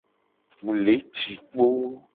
Mu le ci kpo.